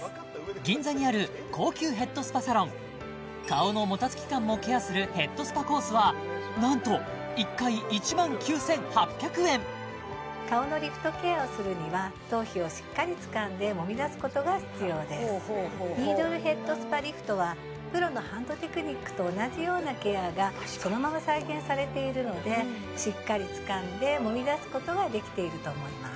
銀座にある高級ヘッドスパサロン顔のもたつき感もケアするヘッドスパコースはなんと１回１万９８００円ニードルヘッドスパリフトはプロのハンドテクニックと同じようなケアがそのまま再現されているのでしっかり掴んでもみ出すことができていると思います